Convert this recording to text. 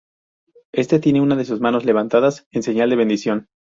Éste tiene una de sus manos levantadas en señal de bendición.